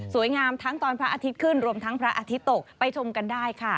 งามทั้งตอนพระอาทิตย์ขึ้นรวมทั้งพระอาทิตย์ตกไปชมกันได้ค่ะ